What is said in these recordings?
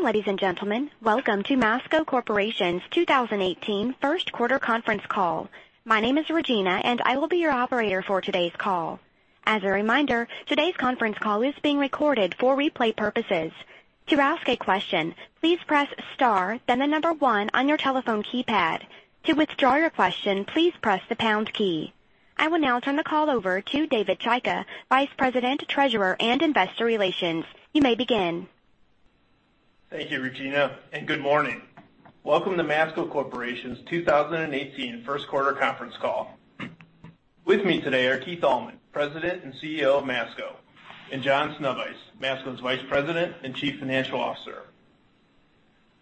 Ladies and gentlemen, welcome to Masco Corporation's 2018 first quarter conference call. My name is Regina, and I will be your operator for today's call. As a reminder, today's conference call is being recorded for replay purposes. To ask a question, please press star, then the number one on your telephone keypad. To withdraw your question, please press the pound key. I will now turn the call over to David Chaika, Vice President, Treasurer, and Investor Relations. You may begin. Thank you, Regina, and good morning. Welcome to Masco Corporation's 2018 first quarter conference call. With me today are Keith Allman, President and CEO of Masco, and John Sznewajs, Masco's Vice President and Chief Financial Officer.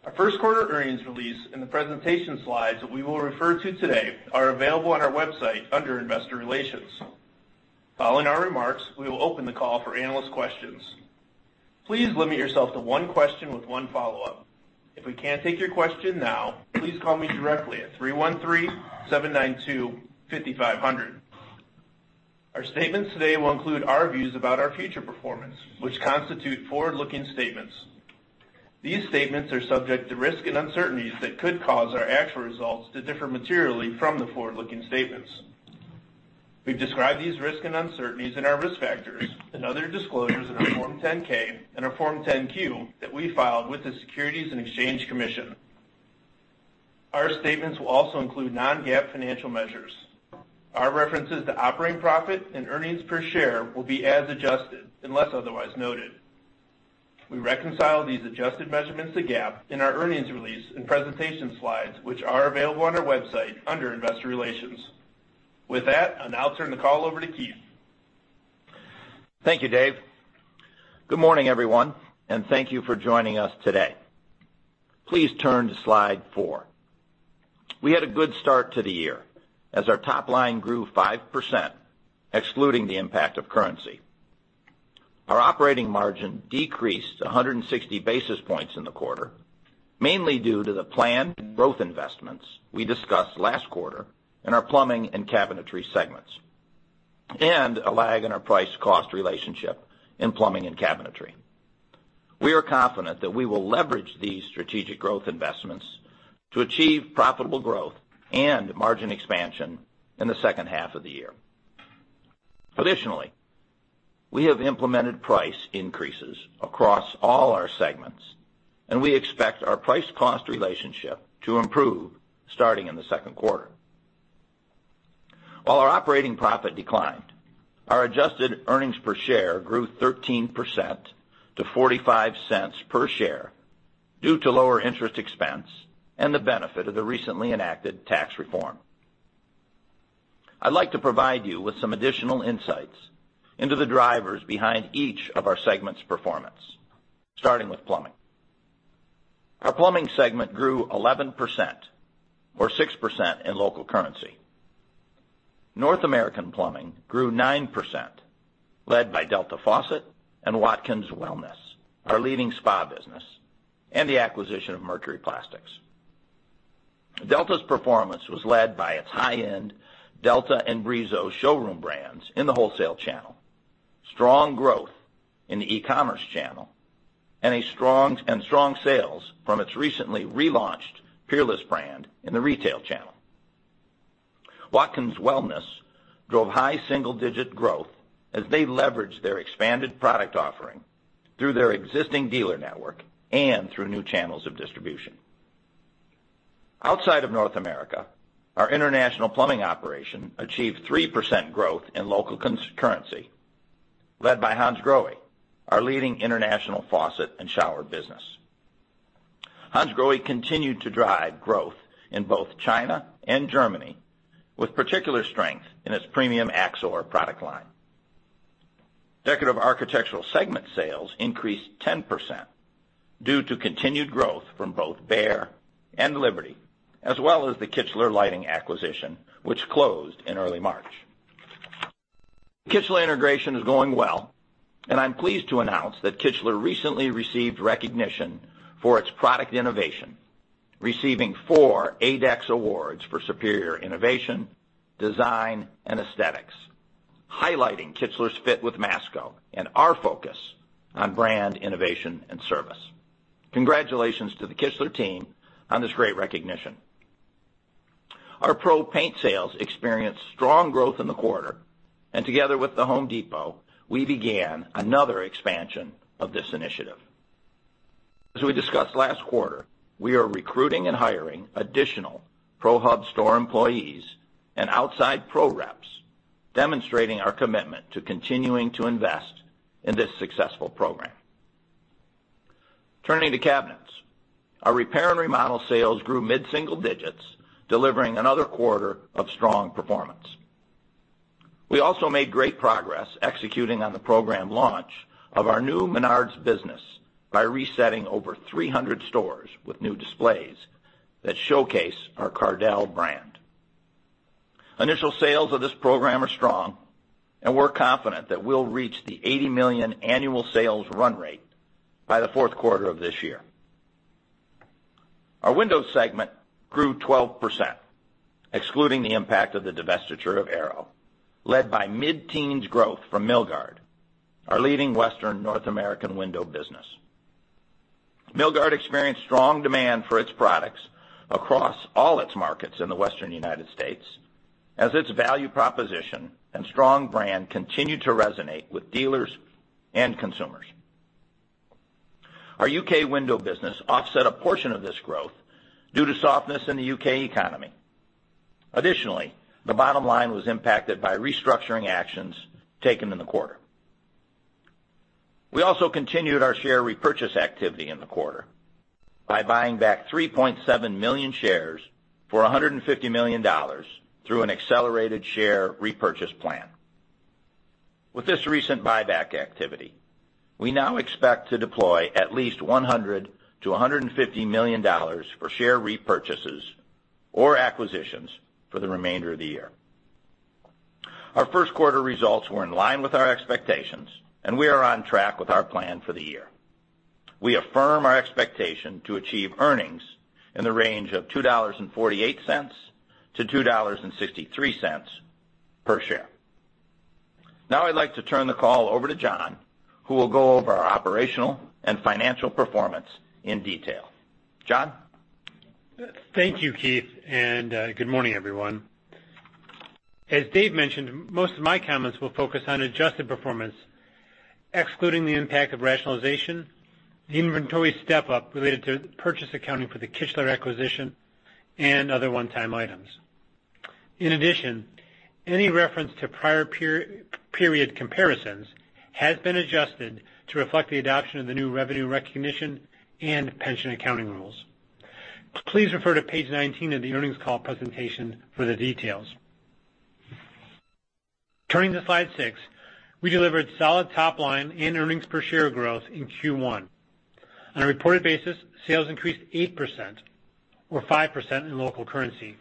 Our first quarter earnings release and the presentation slides that we will refer to today are available on our website under Investor Relations. Following our remarks, we will open the call for analyst questions. Please limit yourself to one question with one follow-up. If we can't take your question now, please call me directly at 313 792 5500. Our statements today will include our views about our future performance, which constitute forward-looking statements. These statements are subject to risks and uncertainties that could cause our actual results to differ materially from the forward-looking statements. We've described these risks and uncertainties in our risk factors and other disclosures in our Form 10-K and our Form 10-Q that we filed with the Securities and Exchange Commission. Our statements will also include non-GAAP financial measures. Our references to operating profit and earnings per share will be as adjusted, unless otherwise noted. We reconcile these adjusted measurements to GAAP in our earnings release and presentation slides, which are available on our website under Investor Relations. With that, I'll now turn the call over to Keith. Thank you, Dave. Good morning, everyone, and thank you for joining us today. Please turn to Slide four. We had a good start to the year as our top line grew 5%, excluding the impact of currency. Our operating margin decreased 160 basis points in the quarter, mainly due to the planned growth investments we discussed last quarter in our plumbing and cabinetry segments, and a lag in our price-cost relationship in plumbing and cabinetry. We are confident that we will leverage these strategic growth investments to achieve profitable growth and margin expansion in the second half of the year. Additionally, we have implemented price increases across all our segments, and we expect our price-cost relationship to improve starting in the second quarter. While our operating profit declined, our adjusted earnings per share grew 13% to $0.45 per share due to lower interest expense and the benefit of the recently enacted tax reform. I'd like to provide you with some additional insights into the drivers behind each of our segments' performance, starting with plumbing. Our plumbing segment grew 11%, or 6% in local currency. North American plumbing grew 9%, led by Delta Faucet and Watkins Wellness, our leading spa business, and the acquisition of Mercury Plastics. Delta's performance was led by its high-end Delta and Brizo showroom brands in the wholesale channel, strong growth in the e-commerce channel, and strong sales from its recently relaunched Peerless brand in the retail channel. Watkins Wellness drove high single-digit growth as they leveraged their expanded product offering through their existing dealer network and through new channels of distribution. Outside of North America, our international plumbing operation achieved 3% growth in local currency, led by Hansgrohe, our leading international faucet and shower business. Hansgrohe continued to drive growth in both China and Germany, with particular strength in its premium AXOR product line. Decorative Architectural segment sales increased 10% due to continued growth from both Behr and Liberty, as well as the Kichler Lighting acquisition, which closed in early March. Kichler integration is going well, and I'm pleased to announce that Kichler recently received recognition for its product innovation, receiving four ADEX awards for superior innovation, design, and aesthetics, highlighting Kichler's fit with Masco and our focus on brand innovation and service. Congratulations to the Kichler team on this great recognition. Our pro paint sales experienced strong growth in the quarter, and together with The Home Depot, we began another expansion of this initiative. As we discussed last quarter, we are recruiting and hiring additional Pro Hub store employees and outside pro reps, demonstrating our commitment to continuing to invest in this successful program. Turning to cabinets, our repair and remodel sales grew mid-single digits, delivering another quarter of strong performance. We also made great progress executing on the program launch of our new Menards business by resetting over 300 stores with new displays that showcase our Cardell brand. Initial sales of this program are strong, and we're confident that we'll reach the $80 million annual sales run rate by the fourth quarter of this year. Our window segment grew 12%, excluding the impact of the divestiture of Arrow, led by mid-teens growth from Milgard, our leading Western North American window business. Milgard experienced strong demand for its products across all its markets in the Western U.S., as its value proposition and strong brand continued to resonate with dealers and consumers. Our U.K. window business offset a portion of this growth due to softness in the U.K. economy. Additionally, the bottom line was impacted by restructuring actions taken in the quarter. We also continued our share repurchase activity in the quarter by buying back 3.7 million shares for $150 million through an accelerated share repurchase plan. With this recent buyback activity, we now expect to deploy at least $100 million-$150 million for share repurchases or acquisitions for the remainder of the year. Our first quarter results were in line with our expectations, and we are on track with our plan for the year. We affirm our expectation to achieve earnings in the range of $2.48-$2.63 per share. Now I'd like to turn the call over to John, who will go over our operational and financial performance in detail. John? Thank you, Keith, and good morning, everyone. As David mentioned, most of my comments will focus on adjusted performance, excluding the impact of rationalization, the inventory step-up related to purchase accounting for the Kichler acquisition, and other one-time items. In addition, any reference to prior period comparisons has been adjusted to reflect the adoption of the new revenue recognition and pension accounting rules. Please refer to page 19 of the earnings call presentation for the details. Turning to Slide six, we delivered solid top line and earnings per share growth in Q1. On a reported basis, sales increased 8%, or 5% in local currency.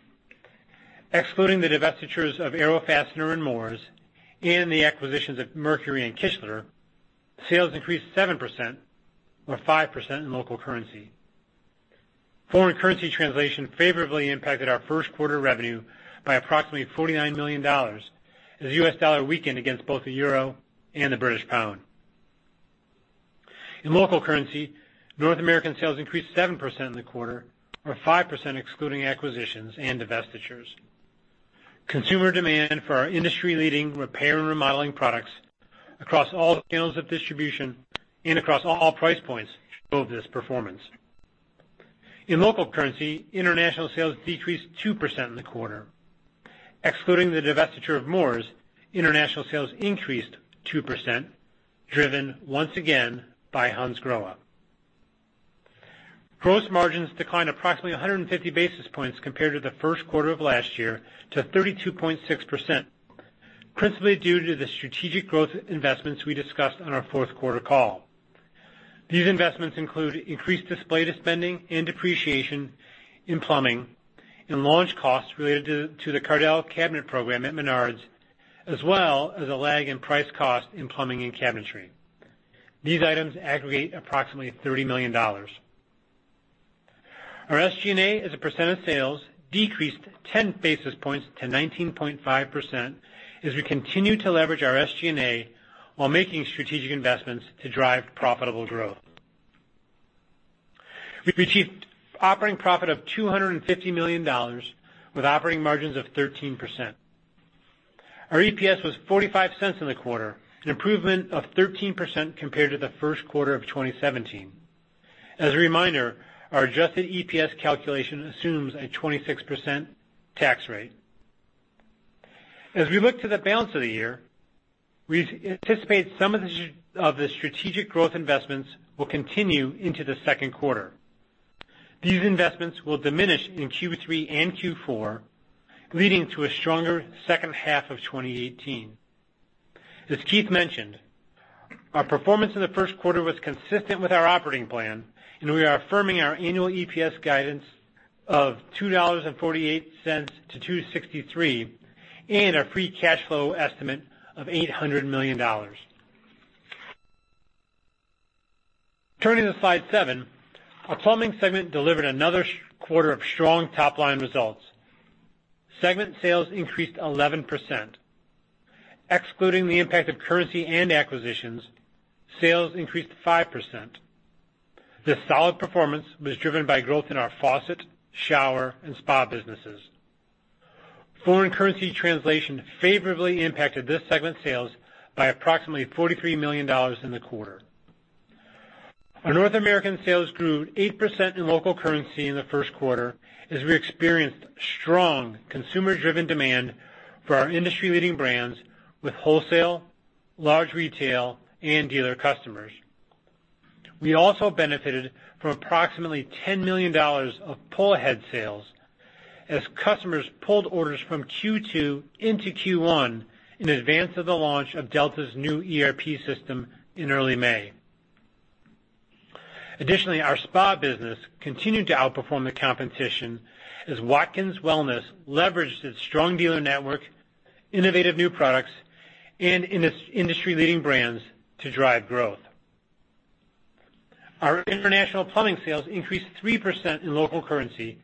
Excluding the divestitures of Arrow Fastener and Moores, and the acquisitions of Mercury and Kichler, sales increased 7%, or 5% in local currency. Foreign currency translation favorably impacted our first quarter revenue by approximately $49 million as the U.S. dollar weakened against both the euro and the British pound. In local currency, North American sales increased 7% in the quarter, or 5% excluding acquisitions and divestitures. Consumer demand for our industry-leading repair and remodeling products across all channels of distribution and across all price points drove this performance. In local currency, international sales decreased 2% in the quarter. Excluding the divestiture of Moores, international sales increased 2%, driven once again by Hansgrohe. Gross margins declined approximately 150 basis points compared to the first quarter of last year to 32.6%, principally due to the strategic growth investments we discussed on our fourth quarter call. These investments include increased display to spending and depreciation in plumbing and launch costs related to the Cardell cabinet program at Menards, as well as a lag in price cost in plumbing and cabinetry. These items aggregate approximately $30 million. Our SG&A as a percent of sales decreased 10 basis points to 19.5% as we continue to leverage our SG&A while making strategic investments to drive profitable growth. We achieved operating profit of $250 million with operating margins of 13%. Our EPS was $0.45 in the quarter, an improvement of 13% compared to the first quarter of 2017. As a reminder, our adjusted EPS calculation assumes a 26% tax rate. As we look to the balance of the year, we anticipate some of the strategic growth investments will continue into the second quarter. These investments will diminish in Q3 and Q4, leading to a stronger second half of 2018. As Keith mentioned, our performance in the first quarter was consistent with our operating plan, and we are affirming our annual EPS guidance of $2.48-$2.63 and our free cash flow estimate of $800 million. Turning to Slide seven, our plumbing segment delivered another quarter of strong top-line results. Segment sales increased 11%. Excluding the impact of currency and acquisitions, sales increased 5%. This solid performance was driven by growth in our faucet, shower, and spa businesses. Foreign currency translation favorably impacted this segment's sales by approximately $43 million in the quarter. Our North American sales grew 8% in local currency in the first quarter as we experienced strong consumer-driven demand for our industry-leading brands with wholesale, large retail, and dealer customers. We also benefited from approximately $10 million of pull ahead sales as customers pulled orders from Q2 into Q1 in advance of the launch of Delta's new ERP system in early May. Additionally, our spa business continued to outperform the competition as Watkins Wellness leveraged its strong dealer network, innovative new products, and industry-leading brands to drive growth. Our international plumbing sales increased 3% in local currency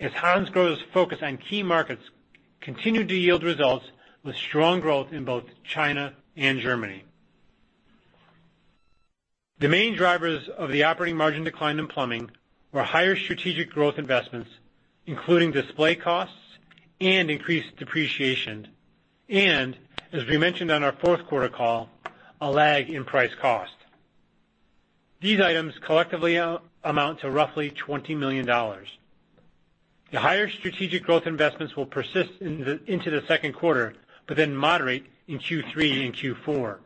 as Hansgrohe's focus on key markets continued to yield results with strong growth in both China and Germany. The main drivers of the operating margin decline in plumbing were higher strategic growth investments, including display costs and increased depreciation. As we mentioned on our fourth quarter call, a lag in price cost. These items collectively amount to roughly $20 million. The higher strategic growth investments will persist into the second quarter, then moderate in Q3 and Q4.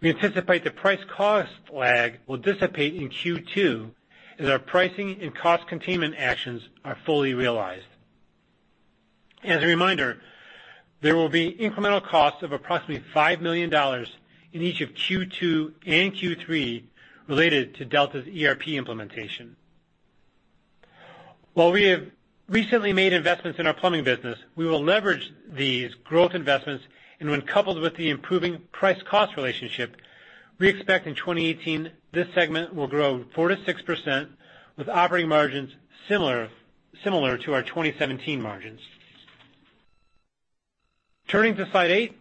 We anticipate the price cost lag will dissipate in Q2 as our pricing and cost containment actions are fully realized. As a reminder, there will be incremental costs of approximately $5 million in each of Q2 and Q3 related to Delta's ERP implementation. While we have recently made investments in our plumbing business, we will leverage these growth investments, and when coupled with the improving price cost relationship, we expect in 2018, this segment will grow 4%-6% with operating margins similar to our 2017 margins. Turning to Slide 8,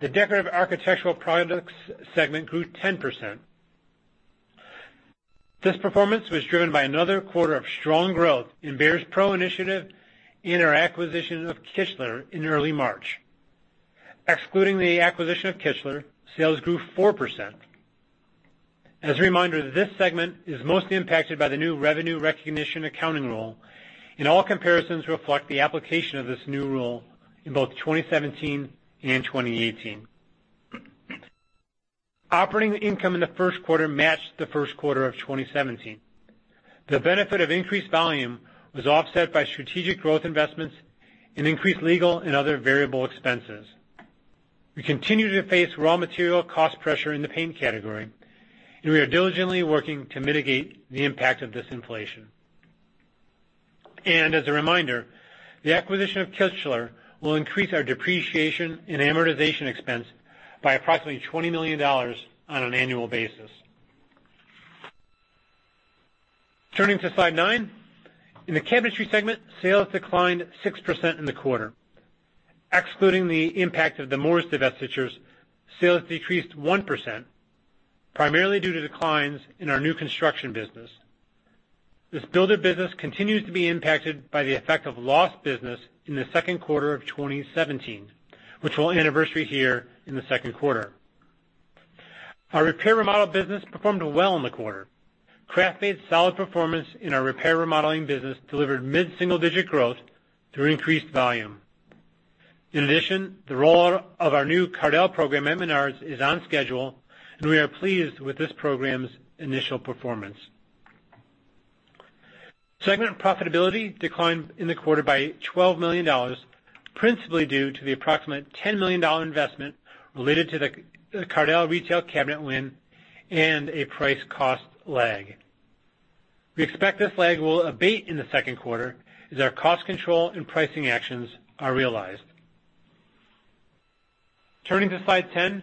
the Decorative Architectural Products segment grew 10%. This performance was driven by another quarter of strong growth in Behr's PRO initiative and our acquisition of Kichler in early March. Excluding the acquisition of Kichler, sales grew 4%. As a reminder, this segment is mostly impacted by the new revenue recognition accounting rule, and all comparisons reflect the application of this new rule in both 2017 and 2018. Operating income in the first quarter matched the first quarter of 2017. The benefit of increased volume was offset by strategic growth investments and increased legal and other variable expenses. We continue to face raw material cost pressure in the paint category, and we are diligently working to mitigate the impact of this inflation. As a reminder, the acquisition of Kichler will increase our depreciation and amortization expense by approximately $20 million on an annual basis. Turning to Slide nine. In the cabinetry segment, sales declined 6% in the quarter. Excluding the impact of the Moores divestitures, sales decreased 1%, primarily due to declines in our new construction business. This builder business continues to be impacted by the effect of lost business in the second quarter of 2017, which will anniversary here in the second quarter. Our repair remodel business performed well in the quarter. KraftMaid's solid performance in our repair remodeling business delivered mid-single-digit growth through increased volume. In addition, the roll out of our new Cardell program at Menards is on schedule, and we are pleased with this program's initial performance. Segment profitability declined in the quarter by $12 million, principally due to the approximate $10 million investment related to the Cardell retail cabinet win and a price cost lag. We expect this lag will abate in the second quarter as our cost control and pricing actions are realized. Turning to slide 10,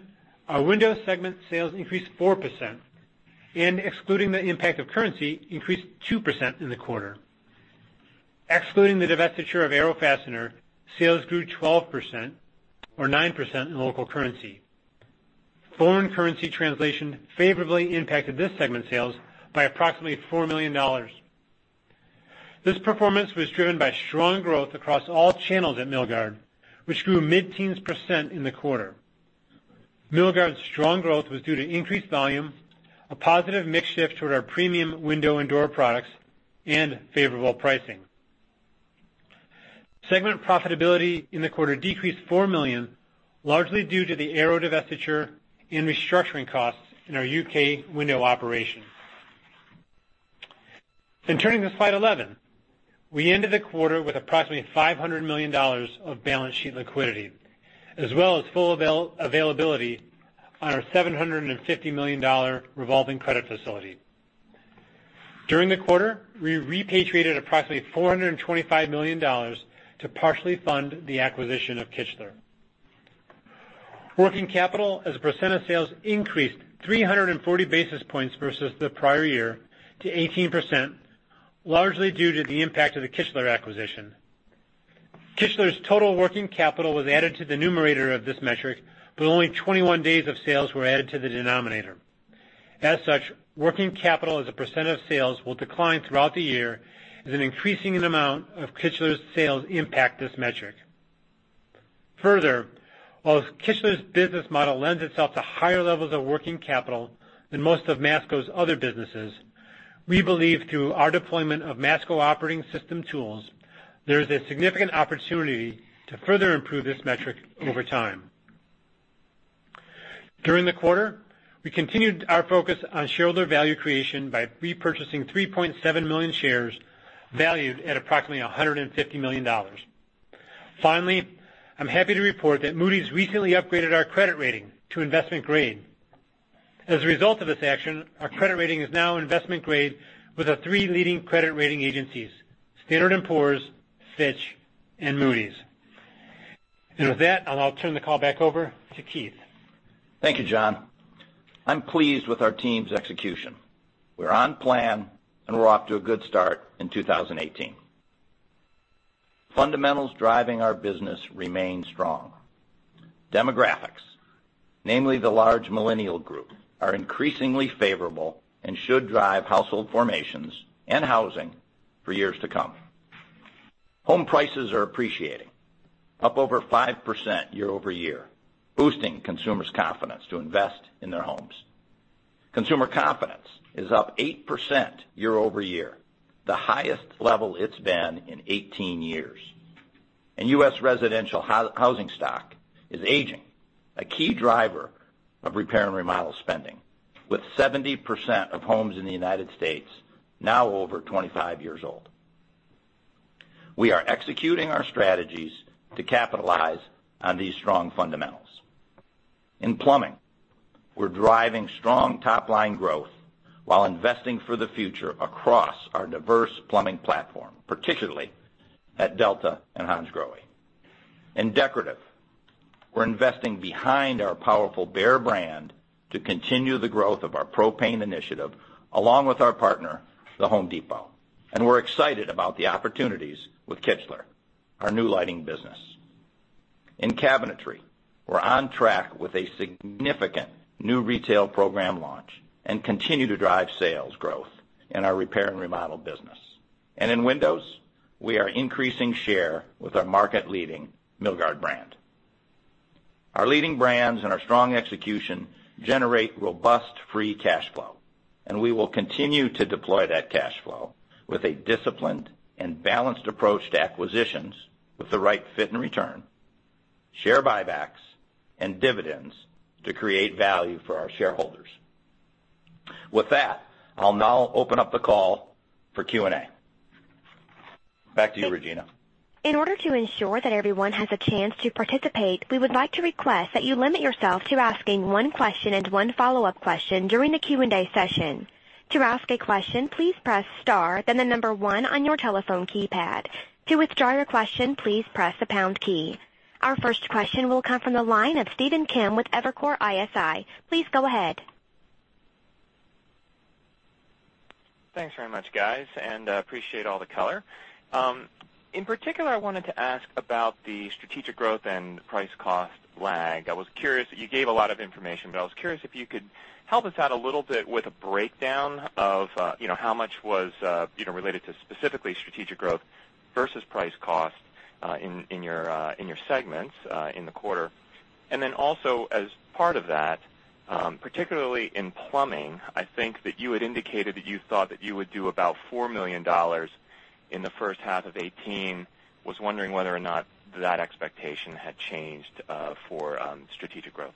our window segment sales increased 4% and, excluding the impact of currency, increased 2% in the quarter. Excluding the divestiture of Arrow Fastener, sales grew 12%, or 9% in local currency. Foreign currency translation favorably impacted this segment's sales by approximately $4 million. This performance was driven by strong growth across all channels at Milgard, which grew mid-teens percent in the quarter. Milgard's strong growth was due to increased volume, a positive mix shift toward our premium window and door products, and favorable pricing. Segment profitability in the quarter decreased $4 million, largely due to the Arrow divestiture and restructuring costs in our U.K. window operation. Turning to slide 11. We ended the quarter with approximately $500 million of balance sheet liquidity, as well as full availability on our $750 million revolving credit facility. During the quarter, we repatriated approximately $425 million to partially fund the acquisition of Kichler. Working capital as a percent of sales increased 340 basis points versus the prior year to 18%, largely due to the impact of the Kichler acquisition. Kichler's total working capital was added to the numerator of this metric, but only 21 days of sales were added to the denominator. As such, working capital as a percent of sales will decline throughout the year as an increasing amount of Kichler's sales impact this metric. Further, while Kichler's business model lends itself to higher levels of working capital than most of Masco's other businesses, we believe through our deployment of Masco Operating System tools, there is a significant opportunity to further improve this metric over time. During the quarter, we continued our focus on shareholder value creation by repurchasing 3.7 million shares valued at approximately $150 million. I'm happy to report that Moody's recently upgraded our credit rating to investment grade. As a result of this action, our credit rating is now investment grade with our three leading credit rating agencies, Standard & Poor's, Fitch, and Moody's. With that, I'll now turn the call back over to Keith. Thank you, John. I'm pleased with our team's execution. We're on plan. We're off to a good start in 2018. Fundamentals driving our business remain strong. Demographics, namely the large millennial group, are increasingly favorable and should drive household formations and housing for years to come. Home prices are appreciating, up over 5% year-over-year, boosting consumers' confidence to invest in their homes. Consumer confidence is up 8% year-over-year, the highest level it's been in 18 years. U.S. residential housing stock is aging, a key driver of repair and remodel spending, with 70% of homes in the U.S. now over 25 years old. We are executing our strategies to capitalize on these strong fundamentals. In plumbing, we're driving strong top-line growth while investing for the future across our diverse plumbing platform, particularly at Delta and Hansgrohe. In decorative, we're investing behind our powerful Behr brand to continue the growth of our Pro Paint Initiative, along with our partner, The Home Depot. We're excited about the opportunities with Kichler, our new lighting business. In cabinetry, we're on track with a significant new retail program launch and continue to drive sales growth in our repair and remodel business. In windows, we are increasing share with our market-leading Milgard brand. Our leading brands and our strong execution generate robust free cash flow, and we will continue to deploy that cash flow with a disciplined and balanced approach to acquisitions with the right fit and return, share buybacks, and dividends to create value for our shareholders. With that, I'll now open up the call for Q&A. Back to you, Regina. In order to ensure that everyone has a chance to participate, we would like to request that you limit yourself to asking one question and one follow-up question during the Q&A session. To ask a question, please press star then the number one on your telephone keypad. To withdraw your question, please press the pound key. Our first question will come from the line of Stephen Kim with Evercore ISI. Please go ahead. Thanks very much, guys, and appreciate all the color. In particular, I wanted to ask about the strategic growth and price cost lag. You gave a lot of information, but I was curious if you could help us out a little bit with a breakdown of how much was related to specifically strategic growth versus price cost in your segments in the quarter. Also as part of that, particularly in plumbing, I think that you had indicated that you thought that you would do about $4 million in the first half of 2018. I was wondering whether or not that expectation had changed for strategic growth.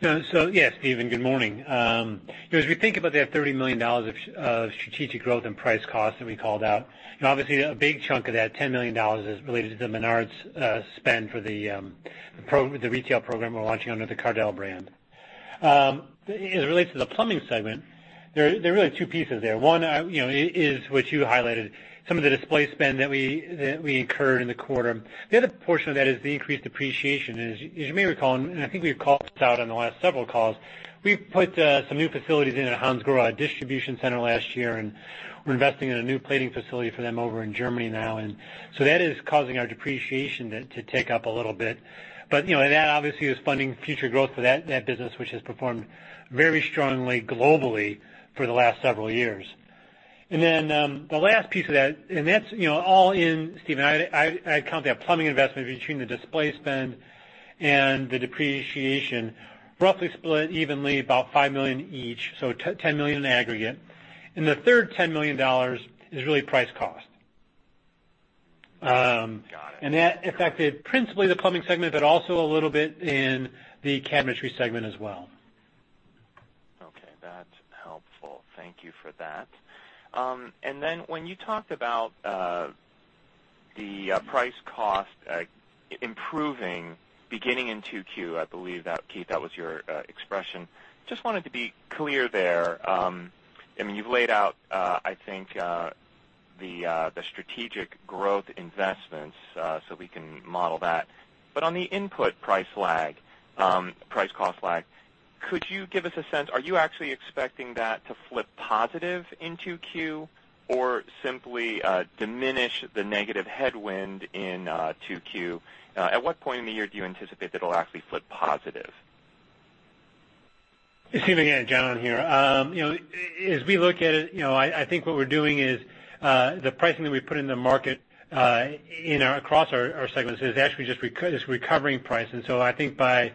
Yeah. Stephen, good morning. As we think about that $30 million of strategic growth and price cost that we called out, obviously a big chunk of that, $10 million, is related to the Menards spend for the retail program we're launching under the Cardell brand. As it relates to the plumbing segment, there are really two pieces there. One is what you highlighted, some of the display spend that we incurred in the quarter. The other portion of that is the increased depreciation. As you may recall, and I think we've called this out on the last several calls, we put some new facilities into the Hansgrohe distribution center last year, and we're investing in a new plating facility for them over in Germany now. That is causing our depreciation to tick up a little bit. That obviously is funding future growth for that business, which has performed very strongly globally for the last several years. The last piece of that, and that's all in, Steven, I count that plumbing investment between the display spend and the depreciation roughly split evenly about $5 million each, so $10 million in aggregate. The third $10 million is really price cost. Got it. That affected principally the plumbing segment, but also a little bit in the cabinetry segment as well. Okay. That's helpful. Thank you for that. When you talked about the price cost improving beginning in 2Q, I believe, Keith, that was your expression. Just wanted to be clear there. You've laid out, I think, the strategic growth investments, so we can model that. On the input price cost lag, could you give us a sense, are you actually expecting that to flip positive in 2Q or simply diminish the negative headwind in 2Q? At what point in the year do you anticipate that it'll actually flip positive? Steven, John here. As we look at it, I think what we're doing is the pricing that we put in the market across our segments is actually just recovering price. I think by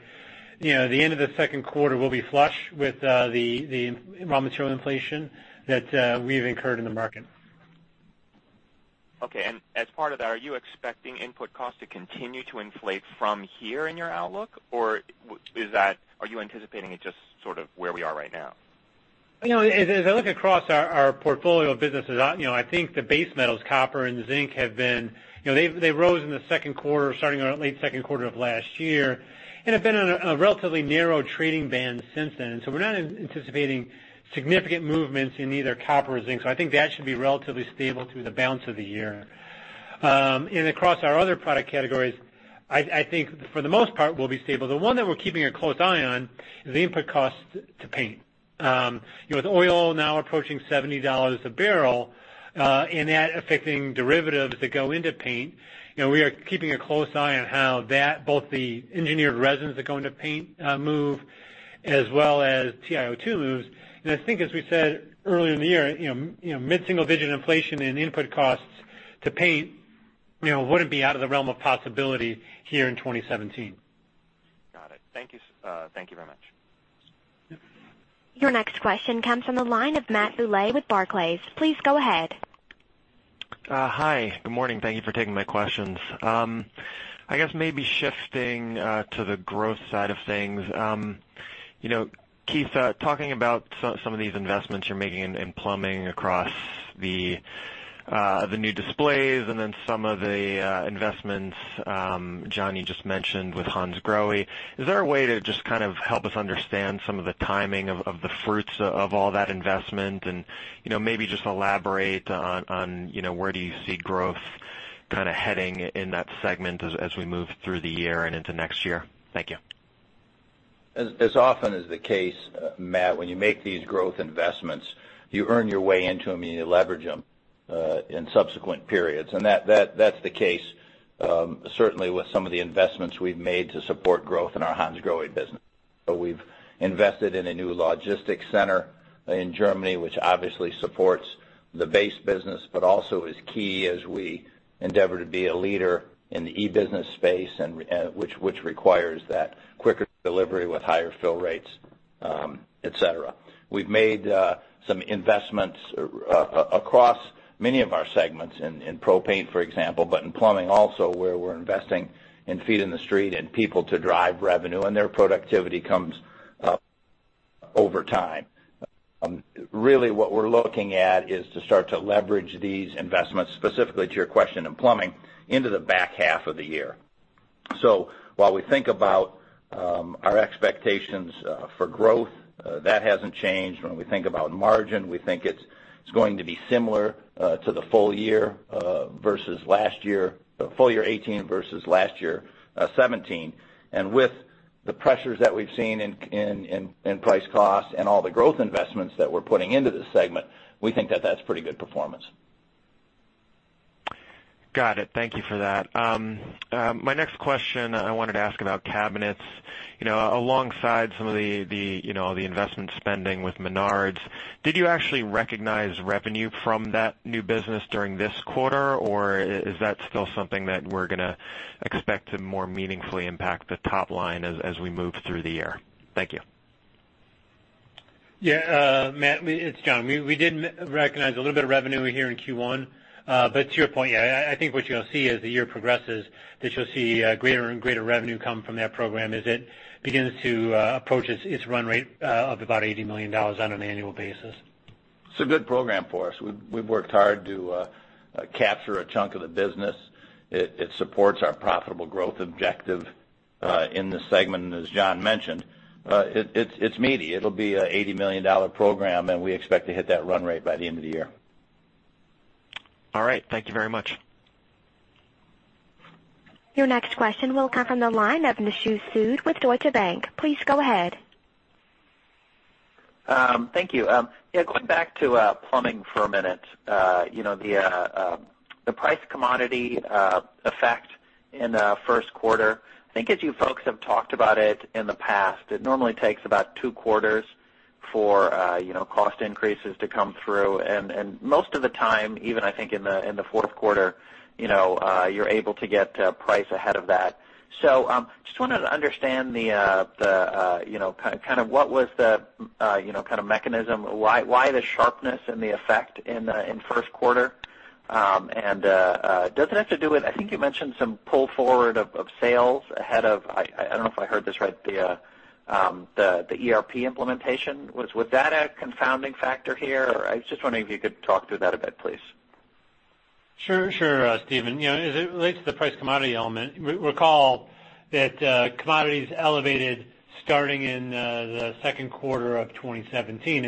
the end of the second quarter, we'll be flush with the raw material inflation that we've incurred in the market. Okay. As part of that, are you expecting input cost to continue to inflate from here in your outlook, or are you anticipating it just sort of where we are right now? As I look across our portfolio of businesses, I think the base metals, copper and zinc, they rose in the second quarter starting around late second quarter of last year, and have been on a relatively narrow trading band since then. We're not anticipating significant movements in either copper or zinc. I think that should be relatively stable through the balance of the year. Across our other product categories, I think for the most part, we'll be stable. The one that we're keeping a close eye on is the input cost to paint. With oil now approaching $70 a barrel, and that affecting derivatives that go into paint, we are keeping a close eye on how both the engineered resins that go into paint move, as well as TiO2 moves. I think as we said earlier in the year, mid-single-digit inflation in input costs to paint wouldn't be out of the realm of possibility here in 2018. Got it. Thank you very much. Your next question comes from the line of Matthew Bouley with Barclays. Please go ahead. Hi. Good morning. Thank you for taking my questions. I guess maybe shifting to the growth side of things. Keith, talking about some of these investments you're making in plumbing across the new displays and then some of the investments, John, you just mentioned with Hansgrohe. Is there a way to just kind of help us understand some of the timing of the fruits of all that investment and maybe just elaborate on where do you see growth kind of heading in that segment as we move through the year and into next year? Thank you. As often is the case, Matt, when you make these growth investments, you earn your way into them, and you leverage them in subsequent periods. That's the case certainly with some of the investments we've made to support growth in our Hansgrohe business. We've invested in a new logistics center in Germany, which obviously supports the base business, but also is key as we endeavor to be a leader in the e-business space, which requires that quicker delivery with higher fill rates, et cetera. We've made some investments across many of our segments, in Pro Paint, for example, but in plumbing also, where we're investing in feet in the street and people to drive revenue, and their productivity comes up over time. Really what we're looking at is to start to leverage these investments, specifically to your question in plumbing, into the back half of the year. While we think about our expectations for growth, that hasn't changed. When we think about margin, we think it's going to be similar to the full year 2018 versus last year 2017. With the pressures that we've seen in price cost and all the growth investments that we're putting into this segment, we think that that's pretty good performance. Got it. Thank you for that. My next question, I wanted to ask about cabinets. Alongside some of the investment spending with Menards, did you actually recognize revenue from that new business during this quarter, or is that still something that we're going to expect to more meaningfully impact the top line as we move through the year? Thank you. Yeah. Matt, it's John. We did recognize a little bit of revenue here in Q1. To your point, yeah, I think what you'll see as the year progresses is that you'll see greater and greater revenue come from that program as it begins to approach its run rate of about $80 million on an annual basis. It's a good program for us. We've worked hard to capture a chunk of the business. It supports our profitable growth objective in this segment. As John mentioned, it's meaty. It'll be an $80 million program, and we expect to hit that run rate by the end of the year. All right. Thank you very much. Your next question will come from the line of Nishu Sood with Deutsche Bank. Please go ahead. Thank you. Going back to plumbing for a minute. The price commodity effect in the first quarter, I think as you folks have talked about it in the past, it normally takes about two quarters for cost increases to come through. Most of the time, even I think in the fourth quarter, you're able to get price ahead of that. Just wanted to understand kind of what was the kind of mechanism, why the sharpness and the effect in first quarter? Does it have to do with, I think you mentioned some pull forward of sales ahead of, I don't know if I heard this right, the ERP implementation. Was that a confounding factor here? I was just wondering if you could talk through that a bit, please. Sure. Nishu. As it relates to the price commodity element, recall that commodities elevated starting in the second quarter of 2017.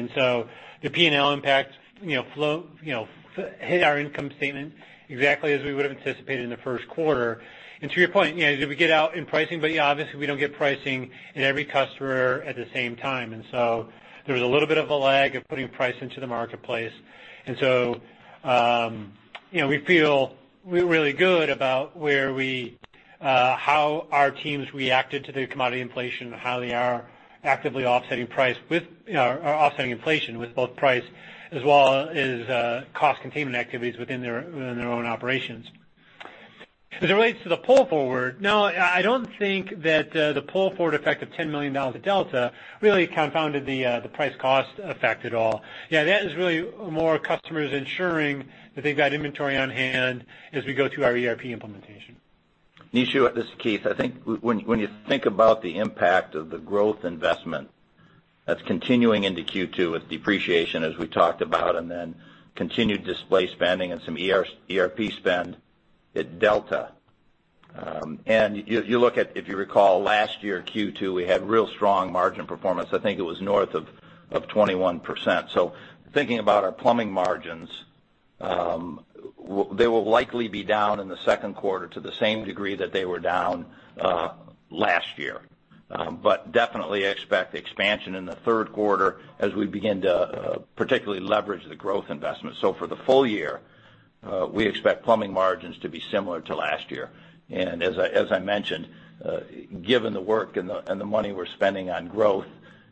The P&L impact hit our income statement exactly as we would've anticipated in the first quarter. To your point, did we get out in pricing? Yeah, obviously we don't get pricing in every customer at the same time. There was a little bit of a lag of putting price into the marketplace. We feel really good about how our teams reacted to the commodity inflation and how they are actively offsetting inflation with both price as well as cost containment activities within their own operations. As it relates to the pull forward, no, I don't think that the pull forward effect of $10 million of Delta really confounded the price cost effect at all. That is really more customers ensuring that they've got inventory on hand as we go through our ERP implementation. Nishu, this is Keith. I think when you think about the impact of the growth investment that's continuing into Q2 with depreciation as we talked about, then continued display spending and some ERP spend at Delta. If you recall last year, Q2, we had real strong margin performance. I think it was north of 21%. Thinking about our plumbing margins, they will likely be down in the second quarter to the same degree that they were down last year. Definitely expect expansion in the third quarter as we begin to particularly leverage the growth investment. For the full year, we expect plumbing margins to be similar to last year. As I mentioned, given the work and the money we're spending on growth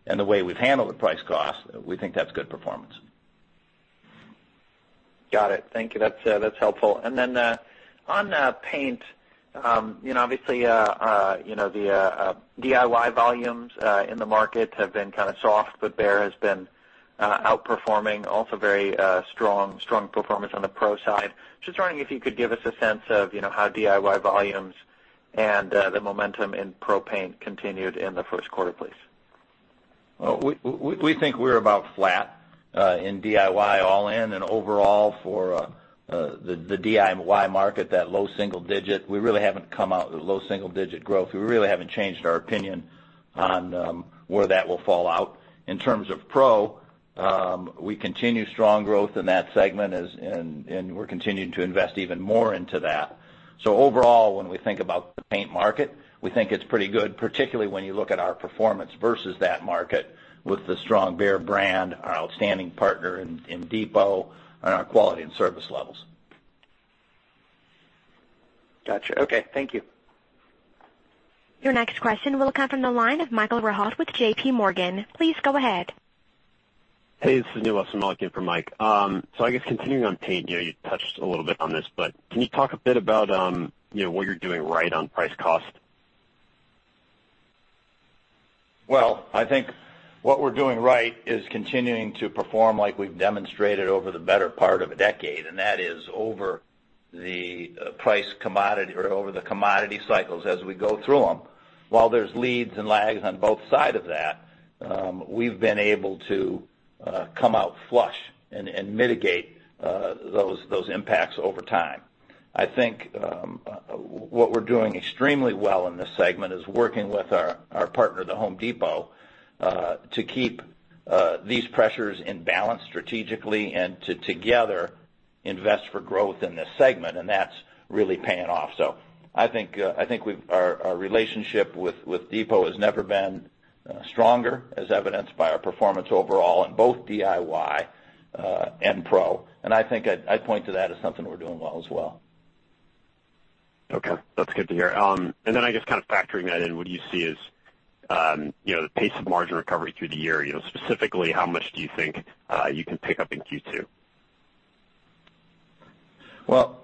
and the way we've handled the price cost, we think that's good performance. Got it. Thank you. That's helpful. Then on paint, obviously, the DIY volumes in the market have been kind of soft, Behr has been outperforming also very strong performance on the pro side. Just wondering if you could give us a sense of how DIY volumes and the momentum in pro paint continued in the first quarter, please. We think we're about flat in DIY all-in and overall for the DIY market, that low single digit. We really haven't come out with low single digit growth. We really haven't changed our opinion on where that will fall out. In terms of pro, we continue strong growth in that segment, and we're continuing to invest even more into that. Overall, when we think about the paint market, we think it's pretty good, particularly when you look at our performance versus that market with the strong Behr brand, our outstanding partner in Depot, and our quality and service levels. Got you. Okay. Thank you. Your next question will come from the line of Michael Rehaut with J.P. Morgan. Please go ahead. Hey, this is Neel. I'm filling in for Mike. I guess continuing on paint, you touched a little bit on this, but can you talk a bit about what you're doing right on price cost? Well, I think what we're doing right is continuing to perform like we've demonstrated over the better part of a decade, and that is over the price commodity or over the commodity cycles as we go through them. While there's leads and lags on both sides of that, we've been able to come out flush and mitigate those impacts over time. I think what we're doing extremely well in this segment is working with our partner, The Home Depot, to keep these pressures in balance strategically and to together invest for growth in this segment, and that's really paying off. I think our relationship with Depot has never been stronger, as evidenced by our performance overall in both DIY and pro, and I think I'd point to that as something we're doing well as well. Okay. That's good to hear. I guess kind of factoring that in, what do you see as the pace of margin recovery through the year? Specifically, how much do you think you can pick up in Q2? Well,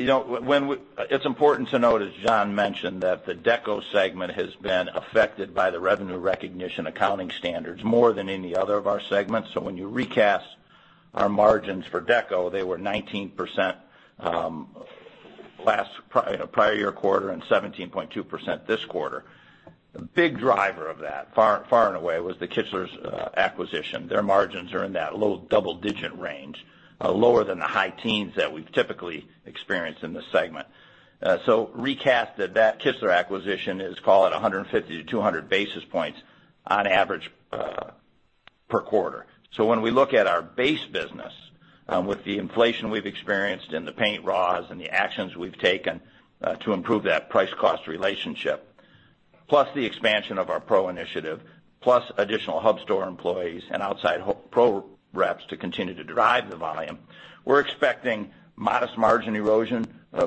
it's important to note, as John mentioned, that the Deco segment has been affected by the revenue recognition accounting standards more than any other of our segments. When you recast our margins for Deco, they were 19% prior year quarter and 17.2% this quarter. The big driver of that, far and away, was the Kichler's acquisition. Their margins are in that low double-digit range, lower than the high teens that we've typically experienced in this segment. Recast that Kichler acquisition is, call it 150 to 200 basis points on average per quarter. When we look at our base business with the inflation we've experienced in the paint raws and the actions we've taken to improve that price cost relationship, plus the expansion of our pro initiative, plus additional hub store employees and outside pro reps to continue to drive the volume, we're expecting modest margin erosion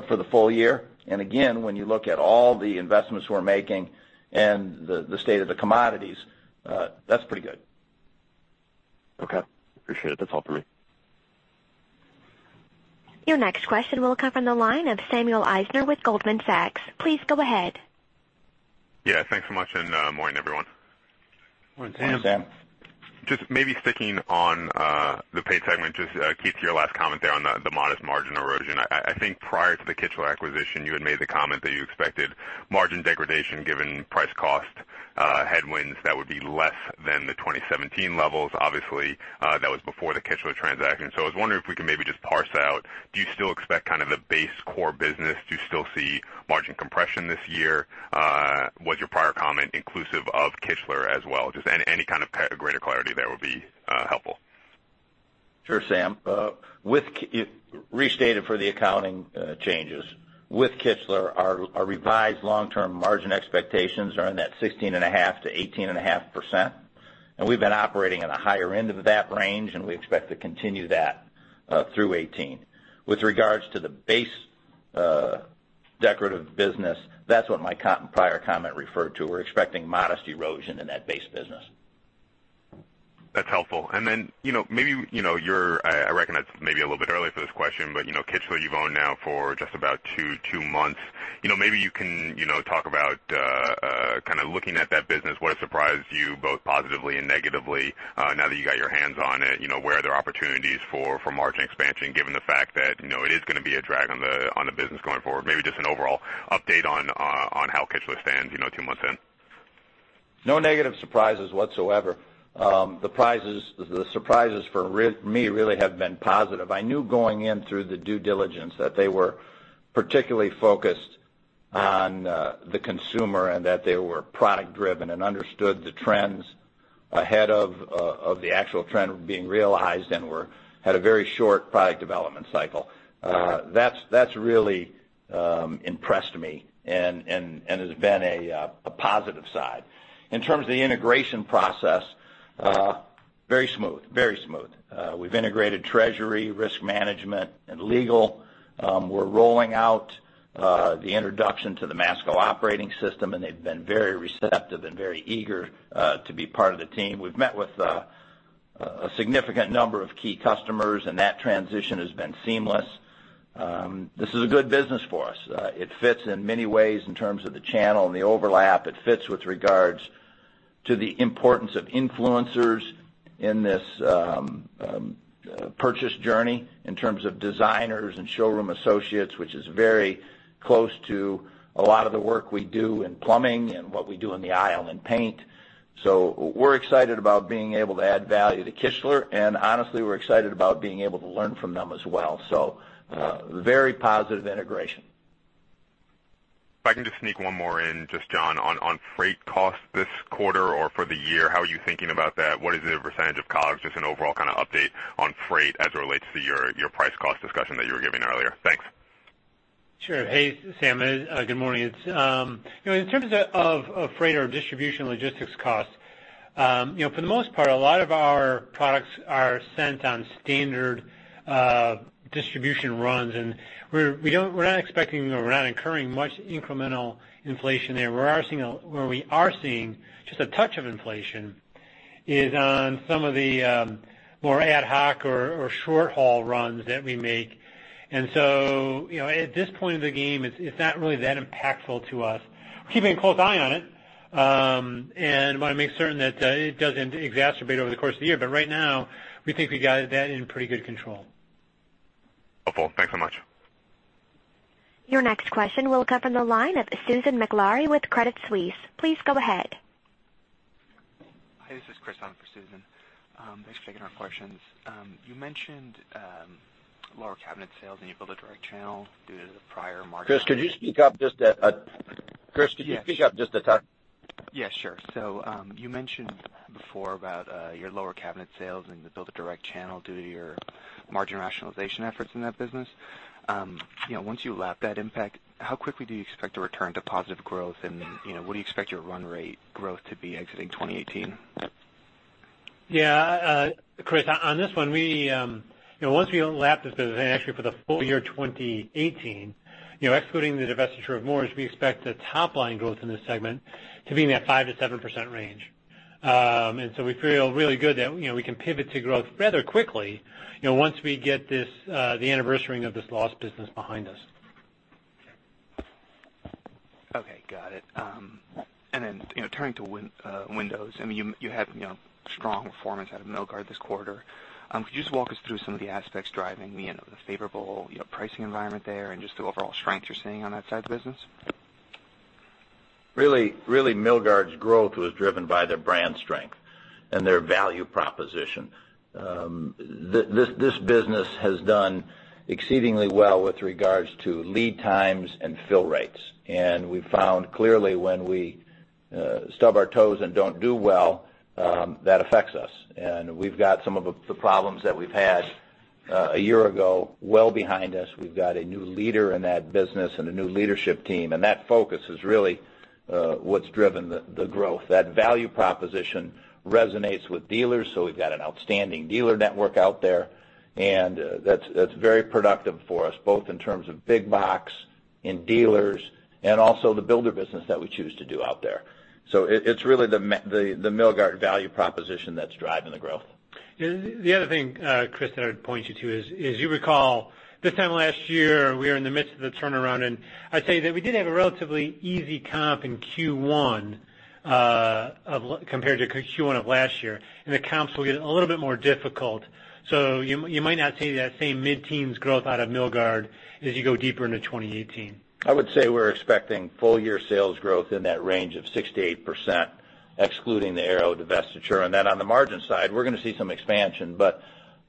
for the full year. Again, when you look at all the investments we're making and the state of the commodities, that's pretty good. Okay. Appreciate it. That's all for me. Your next question will come from the line of Samuel Eisner with Goldman Sachs. Please go ahead. Yeah, thanks so much. Morning, everyone. Morning, Sam. Hey, Sam. Just maybe sticking on the paint segment, just Keith, your last comment there on the modest margin erosion. I think prior to the Kichler acquisition, you had made the comment that you expected margin degradation given price cost headwinds that would be less than the 2017 levels. Obviously, that was before the Kichler transaction. I was wondering if we can maybe just parse out, do you still expect kind of the base core business? Do you still see margin compression this year? Was your prior comment inclusive of Kichler as well? Just any kind of greater clarity there would be helpful. Sure, Sam. Restated for the accounting changes. With Kichler, our revised long-term margin expectations are in that 16.5%-18.5%, and we've been operating in a higher end of that range, and we expect to continue that through 2018. With regards to the base Decorative Business, that's what my prior comment referred to. We're expecting modest erosion in that base business. That's helpful. Then maybe I reckon it's maybe a little bit early for this question, but Kichler you've owned now for just about two months. Maybe you can talk about kind of looking at that business, what has surprised you both positively and negatively now that you got your hands on it? Where are there opportunities for margin expansion, given the fact that it is going to be a drag on the business going forward? Maybe just an overall update on how Kichler stands two months in. No negative surprises whatsoever. The surprises for me really have been positive. I knew going in through the due diligence that they were particularly focused on the consumer and that they were product-driven and understood the trends ahead of the actual trend being realized and had a very short product development cycle. That's really impressed me and has been a positive side. In terms of the integration process, very smooth. We've integrated treasury, risk management, and legal. We're rolling out the introduction to the Masco Operating System, and they've been very receptive and very eager to be part of the team. We've met with a significant number of key customers, and that transition has been seamless. This is a good business for us. It fits in many ways in terms of the channel and the overlap. It fits with regards to the importance of influencers in this purchase journey in terms of designers and showroom associates, which is very close to a lot of the work we do in plumbing and what we do in the aisle in paint. We're excited about being able to add value to Kichler, and honestly, we're excited about being able to learn from them as well. Very positive integration. If I can just sneak one more in, just John, on freight costs this quarter or for the year, how are you thinking about that? What is the % of COGS? Just an overall kind of update on freight as it relates to your price cost discussion that you were giving earlier. Thanks. Sure. Hey, Sam. Good morning. In terms of freight or distribution logistics costs, for the most part, a lot of our products are sent on standard distribution runs, and we're not expecting or we're not incurring much incremental inflation there. Where we are seeing just a touch of inflation is on some of the more ad hoc or short-haul runs that we make. At this point in the game, it's not really that impactful to us. We're keeping a close eye on it, and want to make certain that it doesn't exacerbate over the course of the year. Right now, we think we got that in pretty good control. Hopeful. Thanks so much. Your next question will come from the line of Susan Maklari with Credit Suisse. Please go ahead. Hi, this is Chris filling in for Susan. Thanks for taking our questions. You mentioned lower cabinet sales and your builder direct channel due to the prior margin Chris, could you speak up just a touch? Yeah, sure. You mentioned before about your lower cabinet sales and to build a direct channel due to your margin rationalization efforts in that business. Once you lap that impact, how quickly do you expect to return to positive growth and what do you expect your run rate growth to be exiting 2018? Yeah, Chris, on this one, once we lap this business and actually for the full year 2018, excluding the divestiture of Moores, we expect the top-line growth in this segment to be in that 5%-7% range. We feel really good that we can pivot to growth rather quickly once we get the anniversary-ing of this lost business behind us. Okay. Got it. Turning to windows. You had strong performance out of Milgard this quarter. Could you just walk us through some of the aspects driving the end of the favorable pricing environment there and just the overall strength you're seeing on that side of the business? Really, Milgard's growth was driven by their brand strength and their value proposition. This business has done exceedingly well with regards to lead times and fill rates. We found clearly when we stub our toes and don't do well, that affects us. We've got some of the problems that we've had a year ago well behind us. We've got a new leader in that business and a new leadership team, and that focus is really what's driven the growth. That value proposition resonates with dealers. We've got an outstanding dealer network out there, and that's very productive for us, both in terms of big box in dealers and also the builder business that we choose to do out there. It's really the Milgard value proposition that's driving the growth. The other thing, Chris, that I'd point you to is, you recall this time last year, we were in the midst of the turnaround. I'd say that we did have a relatively easy comp in Q1 compared to Q1 of last year. The comps will get a little bit more difficult. You might not see that same mid-teens growth out of Milgard as you go deeper into 2018. I would say we're expecting full-year sales growth in that range of 6%-8%, excluding the Arrow divestiture. On the margin side, we're going to see some expansion, but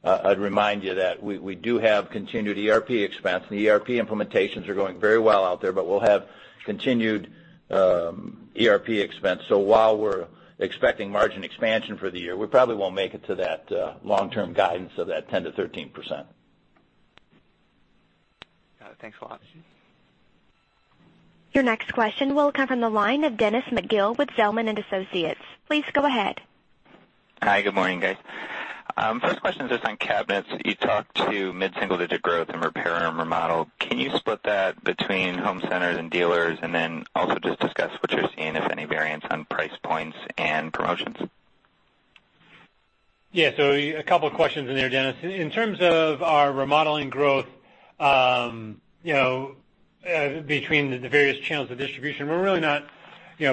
I'd remind you that we do have continued ERP expense. The ERP implementations are going very well out there, but we'll have continued ERP expense. While we're expecting margin expansion for the year, we probably won't make it to that long-term guidance of that 10%-13%. Got it. Thanks a lot. Your next question will come from the line of Dennis McGill with Zelman & Associates. Please go ahead. Hi. Good morning, guys. First question is just on cabinets. You talked to mid-single-digit growth in repair and remodel. Can you split that between home centers and dealers? Also just discuss what you're seeing, if any, variance on price points and promotions. Yeah. A couple of questions in there, Dennis. In terms of our remodeling growth between the various channels of distribution, we're really not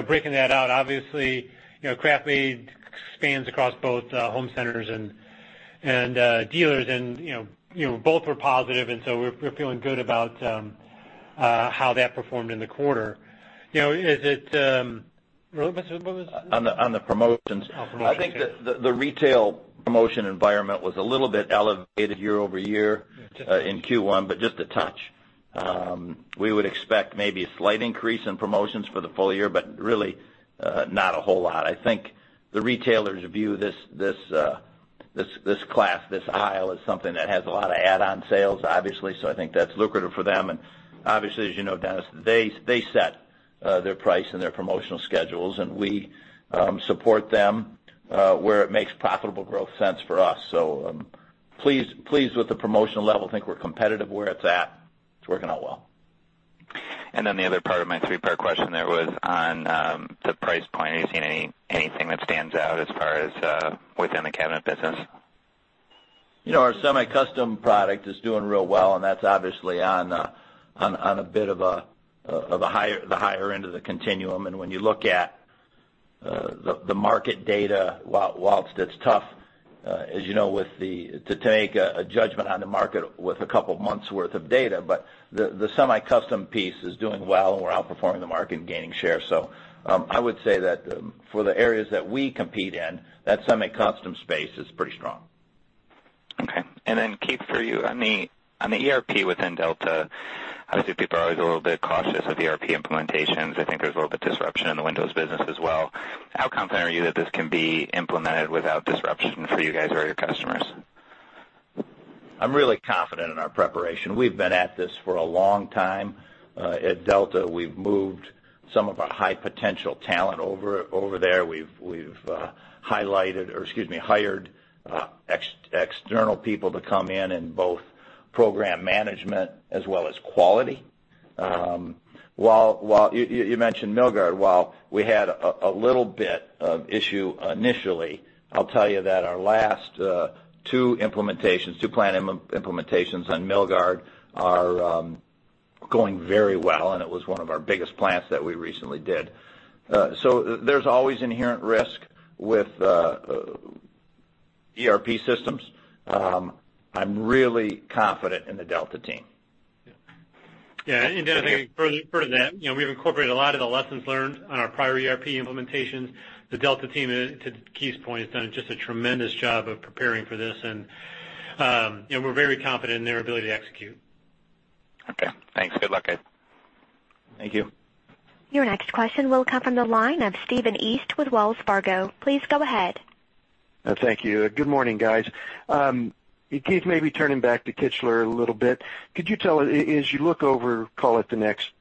breaking that out. Obviously, KraftMaid spans across both home centers and dealers, both were positive, we're feeling good about how that performed in the quarter. On the promotions. Oh, promotions. I think the retail promotion environment was a little bit elevated year-over-year. Just a touch. in Q1, just a touch. We would expect maybe a slight increase in promotions for the full year, but really not a whole lot. I think the retailers view this class, this aisle, as something that has a lot of add-on sales, obviously. I think that's lucrative for them. Obviously, as you know, Dennis, they set their price and their promotional schedules, and we support them where it makes profitable growth sense for us. Pleased with the promotional level. I think we're competitive where it's at. It's working out well. The other part of my three-part question there was on the price point. Are you seeing anything that stands out as far as within the cabinet business? Our semi-custom product is doing real well, that's obviously on a bit of the higher end of the continuum. When you look at the market data, whilst it's tough to take a judgment on the market with a couple months' worth of data, the semi-custom piece is doing well, we're outperforming the market and gaining share. I would say that for the areas that we compete in, that semi-custom space is pretty strong. Okay. Keith, for you, on the ERP within Delta, obviously, people are always a little bit cautious of ERP implementations. I think there's a little bit disruption in the Windows business as well. How confident are you that this can be implemented without disruption for you guys or your customers? I'm really confident in our preparation. We've been at this for a long time. At Delta, we've moved some of our high potential talent over there. We've hired external people to come in both program management as well as quality. You mentioned Milgard. While we had a little bit of issue initially, I'll tell you that our last two plant implementations on Milgard are going very well, and it was one of our biggest plants that we recently did. There's always inherent risk with ERP systems. I'm really confident in the Delta team. Yeah. Dennis, I think further to that, we've incorporated a lot of the lessons learned on our prior ERP implementations. The Delta team, to Keith's point, has done just a tremendous job of preparing for this, we're very confident in their ability to execute. Okay. Thanks. Good luck, guys. Thank you. Your next question will come from the line of Stephen East with Wells Fargo. Please go ahead. Thank you. Good morning, guys. Keith, maybe turning back to Kichler a little bit. Could you tell, as you look over, call it the next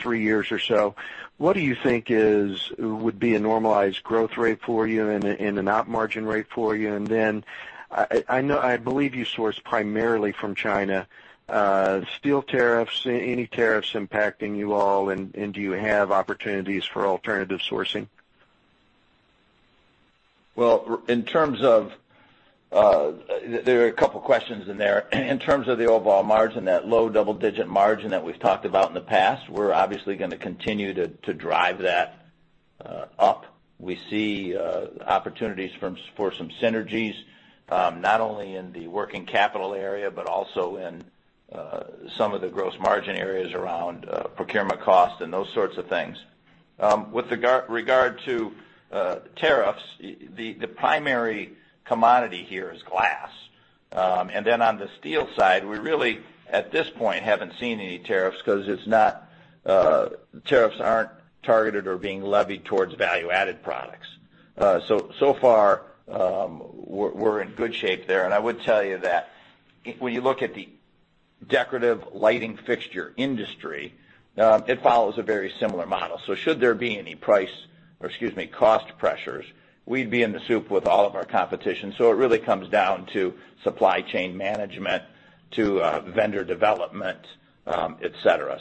three years or so, what do you think would be a normalized growth rate for you and an op margin rate for you? I believe you source primarily from China. Steel tariffs, any tariffs impacting you all, and do you have opportunities for alternative sourcing? There are a couple questions in there. In terms of the overall margin, that low double-digit margin that we've talked about in the past, we're obviously going to continue to drive that up. We see opportunities for some synergies, not only in the working capital area, but also in some of the gross margin areas around procurement cost and those sorts of things. With regard to tariffs, the primary commodity here is glass. On the steel side, we really, at this point, haven't seen any tariffs because tariffs aren't targeted or being levied towards value-added products. So far, we're in good shape there. I would tell you that when you look at the decorative lighting fixture industry, it follows a very similar model. Should there be any cost pressures, we'd be in the soup with all of our competition. It really comes down to supply chain management, to vendor development, et cetera.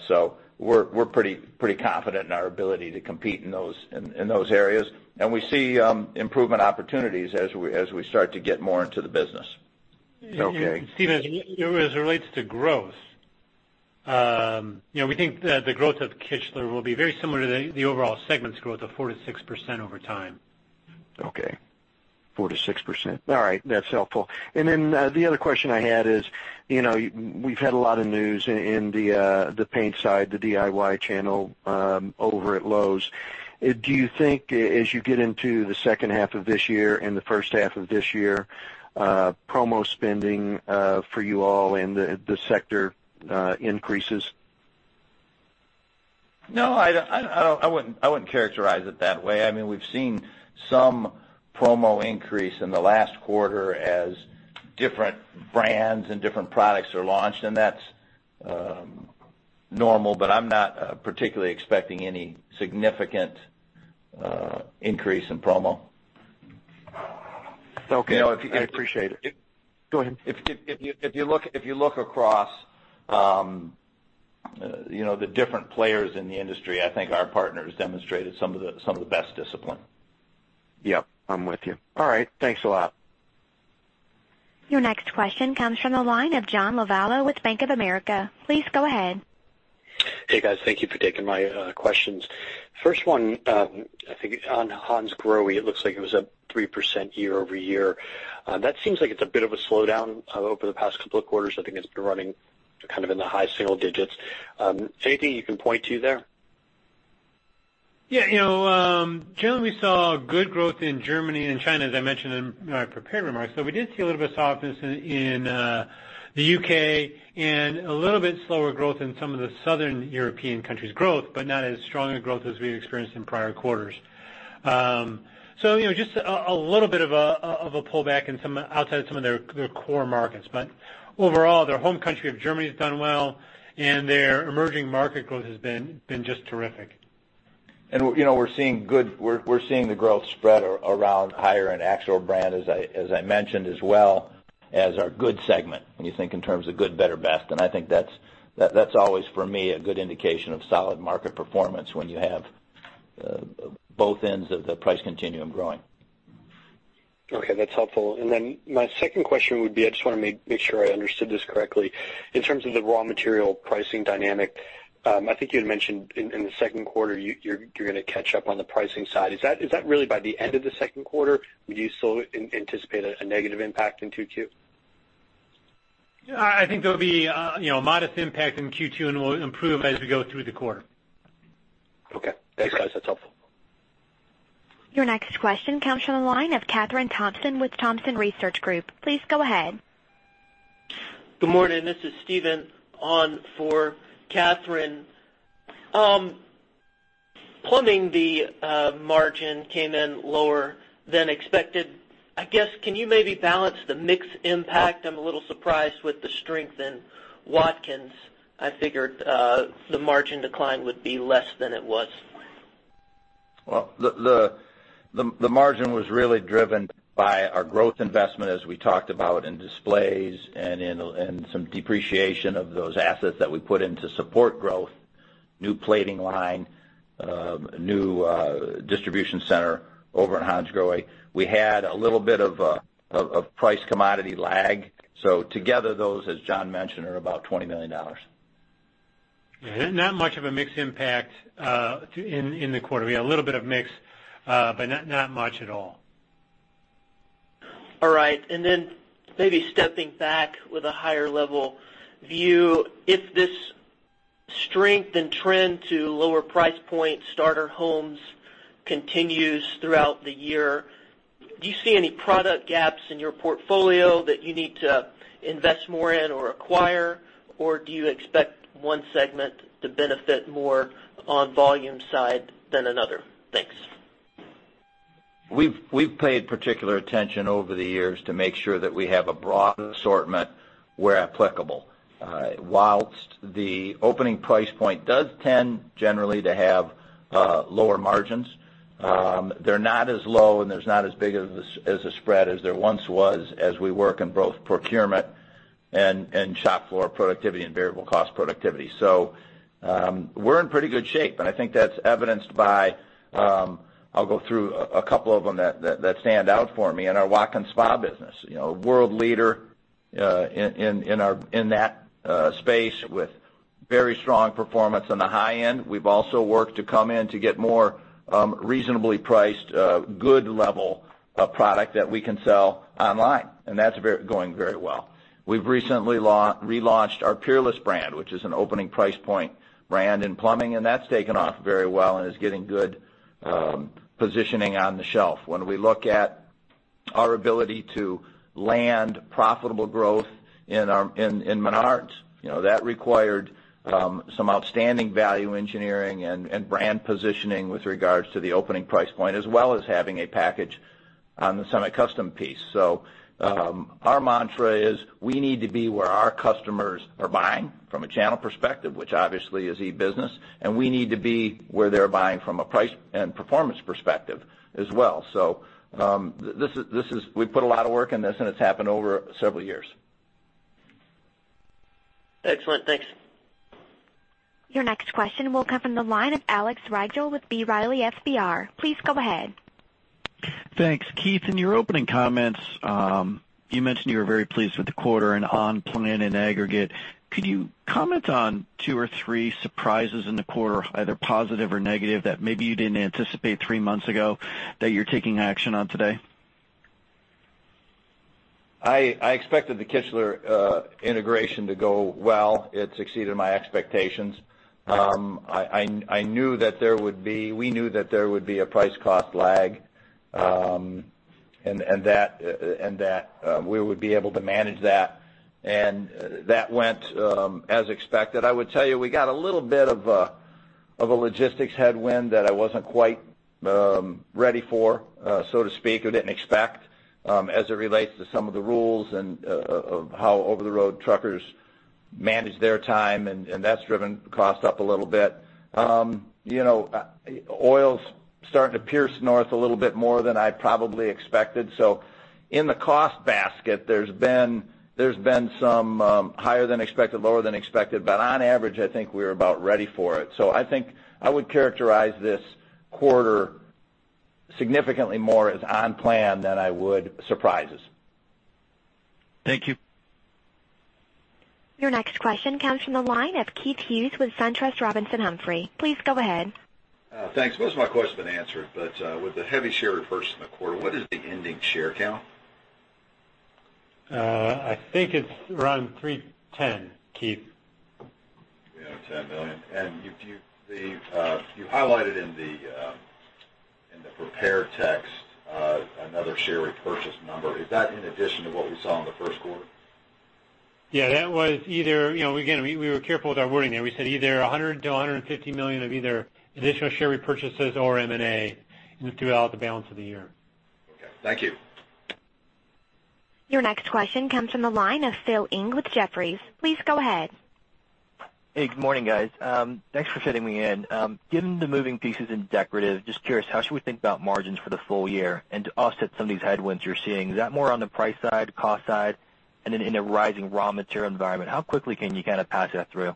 We're pretty confident in our ability to compete in those areas, and we see improvement opportunities as we start to get more into the business. Okay. Steven, as it relates to growth, we think that the growth of Kichler will be very similar to the overall segment's growth of 4%-6% over time. Okay. 4%-6%. All right. That's helpful. The other question I had is, we've had a lot of news in the paint side, the DIY channel over at Lowe's. Do you think as you get into the second half of this year and the first half of this year, promo spending for you all in the sector increases? No, I wouldn't characterize it that way. We've seen some promo increase in the last quarter as different brands and different products are launched, and that's normal, but I'm not particularly expecting any significant increase in promo. Okay. I appreciate it. Go ahead. If you look across the different players in the industry, I think our partners demonstrated some of the best discipline. Yep. I'm with you. All right. Thanks a lot. Your next question comes from the line of John Lovallo with Bank of America. Please go ahead. Hey, guys. Thank you for taking my questions. First one, I think on Hansgrohe, it looks like it was up 3% year-over-year. That seems like it's a bit of a slowdown over the past couple of quarters. I think it's been running kind of in the high single digits. Anything you can point to there? Yeah. Generally, we saw good growth in Germany and China, as I mentioned in my prepared remarks. We did see a little bit of softness in the U.K. and a little bit slower growth in some of the southern European countries growth, not as strong a growth as we experienced in prior quarters. Just a little bit of a pullback outside of some of their core markets. Overall, their home country of Germany has done well, and their emerging market growth has been just terrific. We're seeing the growth spread around higher in AXOR brand, as I mentioned, as well as our good segment, when you think in terms of good, better, best. I think that's always, for me, a good indication of solid market performance when you have both ends of the price continuum growing. Okay, that's helpful. My second question would be, I just want to make sure I understood this correctly. In terms of the raw material pricing dynamic, I think you had mentioned in the second quarter, you're going to catch up on the pricing side. Is that really by the end of the second quarter? Would you still anticipate a negative impact in Q2? I think there'll be a modest impact in Q2, and we'll improve as we go through the quarter. Okay. Thanks, guys. That's helpful. Your next question comes from the line of Kathryn Thompson with Thompson Research Group. Please go ahead. Good morning. This is Steven on for Kathryn. Plumbing, the margin came in lower than expected. I guess, can you maybe balance the mix impact? I am a little surprised with the strength in Watkins. I figured the margin decline would be less than it was. Well, the margin was really driven by our growth investment as we talked about in displays and some depreciation of those assets that we put in to support growth, new plating line, new distribution center over in Hansgrohe. We had a little bit of a price commodity lag. Together, those, as John mentioned, are about $20 million. Not much of a mix impact in the quarter. We had a little bit of mix, but not much at all. Maybe stepping back with a higher level view, if this strength and trend to lower price point starter homes continues throughout the year, do you see any product gaps in your portfolio that you need to invest more in or acquire, or do you expect one segment to benefit more on volume side than another? Thanks. We've paid particular attention over the years to make sure that we have a broad assortment where applicable. Whilst the opening price point does tend generally to have lower margins, they're not as low and there's not as big of a spread as there once was as we work in both procurement and shop floor productivity and variable cost productivity. We're in pretty good shape, and I think that's evidenced by, I'll go through a couple of them that stand out for me. In our Watkins Wellness business, world leader in that space with very strong performance on the high end. We've also worked to come in to get more reasonably priced, good level of product that we can sell online, and that's going very well. We've recently relaunched our Peerless brand, which is an opening price point brand in plumbing, and that's taken off very well and is getting good positioning on the shelf. When we look at our ability to land profitable growth in Menards, that required some outstanding value engineering and brand positioning with regards to the opening price point, as well as having a package on the semi-custom piece. Our mantra is we need to be where our customers are buying from a channel perspective, which obviously is e-business, and we need to be where they're buying from a price and performance perspective as well. We put a lot of work in this, and it's happened over several years. Excellent. Thanks. Your next question will come from the line of Alex Rygiel with B. Riley FBR. Please go ahead. Thanks. Keith, in your opening comments, you mentioned you were very pleased with the quarter and on plan in aggregate. Could you comment on two or three surprises in the quarter, either positive or negative, that maybe you didn't anticipate three months ago that you're taking action on today? I expected the Kichler integration to go well. It exceeded my expectations. We knew that there would be a price cost lag, and that we would be able to manage that. That went as expected. I would tell you, we got a little bit of a logistics headwind that I wasn't quite ready for, so to speak, or didn't expect, as it relates to some of the rules of how over-the-road truckers manage their time, and that's driven cost up a little bit. Oil's starting to pierce north a little bit more than I probably expected. In the cost basket, there's been some higher than expected, lower than expected, but on average, I think we're about ready for it. I think I would characterize this quarter significantly more as on plan than I would surprises. Thank you. Your next question comes from the line of Keith Hughes with SunTrust Robinson Humphrey. Please go ahead. Thanks. With the heavy share repurchase in the quarter, what is the ending share count? I think it's around 310, Keith. Yeah, 10 million. You highlighted in the prepared text another share repurchase number. Is that in addition to what we saw in the first quarter? Yeah, we were careful with our wording there. We said either $100 million-$150 million of either additional share repurchases or M&A throughout the balance of the year. Okay. Thank you. Your next question comes from the line of Philip Ng with Jefferies. Please go ahead. Hey, good morning, guys. Thanks for fitting me in. Given the moving pieces in Decorative, just curious, how should we think about margins for the full year and to offset some of these headwinds you're seeing? Is that more on the price side, cost side? Then in a rising raw material environment, how quickly can you kind of pass that through?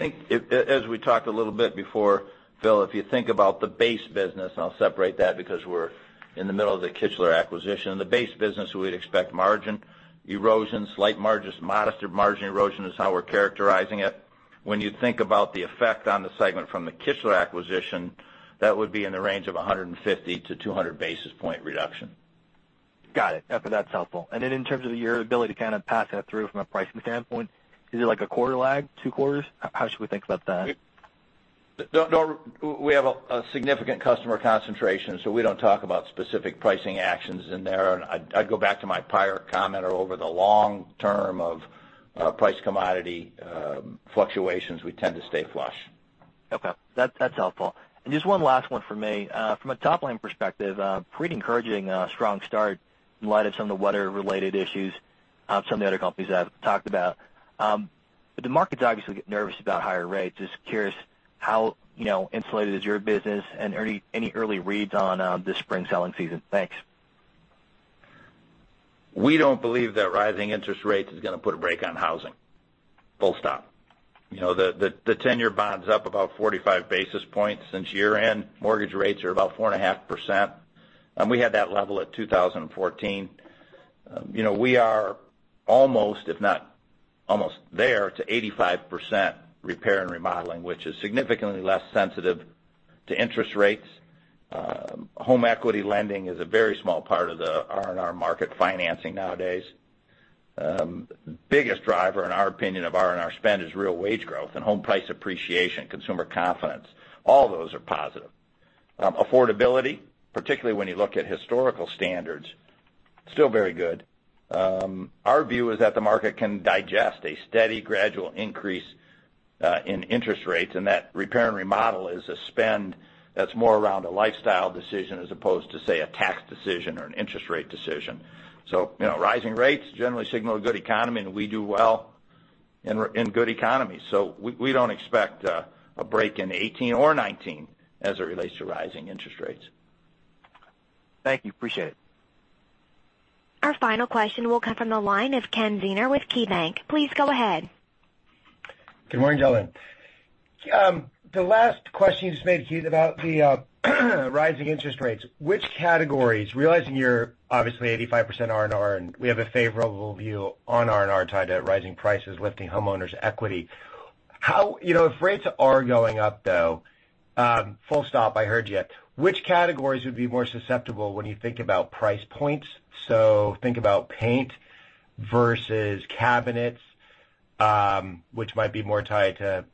I think, as we talked a little bit before, Phil, if you think about the base business, I'll separate that because we're in the middle of the Kichler acquisition. The base business, we'd expect margin erosion. Slight margins, modest margin erosion is how we're characterizing it. When you think about the effect on the segment from the Kichler acquisition, that would be in the range of 150 to 200 basis point reduction. Got it. Okay, that's helpful. In terms of your ability to kind of pass that through from a pricing standpoint, is it like a quarter lag, two quarters? How should we think about that? We have a significant customer concentration, we don't talk about specific pricing actions in there. I'd go back to my prior comment. Over the long term of price commodity fluctuations, we tend to stay flush. Okay. That's helpful. Just one last one from me. From a top-line perspective, pretty encouraging strong start in light of some of the weather-related issues some of the other companies have talked about. The market's obviously getting nervous about higher rates. Just curious, how insulated is your business and any early reads on the spring selling season? Thanks. We don't believe that rising interest rates is going to put a brake on housing. Full stop. The 10-year bond's up about 45 basis points since year-end. Mortgage rates are about 4.5%, and we had that level at 2014. We are almost, if not almost there, to 85% repair and remodeling, which is significantly less sensitive to interest rates. Home equity lending is a very small part of the R&R market financing nowadays. Biggest driver, in our opinion, of R&R spend is real wage growth and home price appreciation, consumer confidence. All those are positive. Affordability, particularly when you look at historical standards, still very good. Our view is that the market can digest a steady gradual increase in interest rates, and that repair and remodel is a spend that's more around a lifestyle decision as opposed to, say, a tax decision or an interest rate decision. Rising rates generally signal a good economy, and we do well in good economies. We don't expect a break in 2018 or 2019 as it relates to rising interest rates. Thank you. Appreciate it. Our final question will come from the line of Ken Zener with KeyBank. Please go ahead. Good morning, gentlemen. The last question you just made, Keith, about the rising interest rates. Realizing you're obviously 85% R&R and we have a favorable view on R&R tied to rising prices lifting homeowners' equity, if rates are going up, though, full stop, I heard you, which categories would be more susceptible when you think about price points? Think about paint versus cabinets, which might be more tied to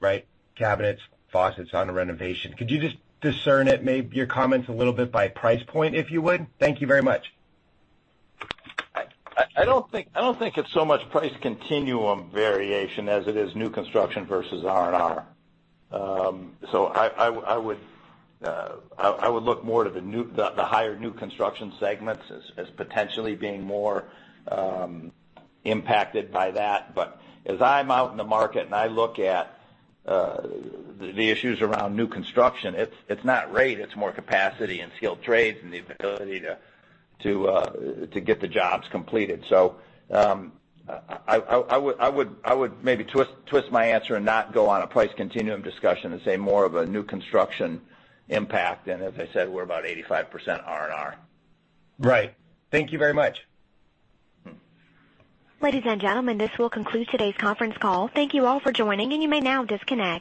cabinets, faucets on a renovation. Could you just discern it, maybe your comments a little bit by price point, if you would? Thank you very much. I don't think it's so much price continuum variation as it is new construction versus R&R. I would look more to the higher new construction segments as potentially being more impacted by that. As I'm out in the market and I look at the issues around new construction, it's not rate, it's more capacity and skilled trades and the ability to get the jobs completed. I would maybe twist my answer and not go on a price continuum discussion and say more of a new construction impact. As I said, we're about 85% R&R. Right. Thank you very much. Ladies and gentlemen, this will conclude today's conference call. Thank you all for joining, and you may now disconnect.